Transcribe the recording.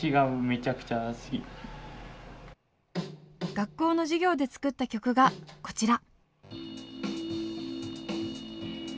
学校の授業で作った曲がこちら！